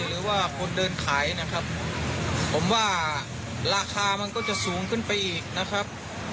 หรือว่าคนเดินขายนะครับผมว่าราคามันก็จะสูงขึ้นไปอีกนะครับ